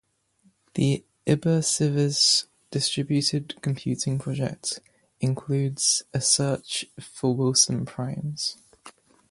The Ibercivis distributed computing project includes a search for Wilson primes.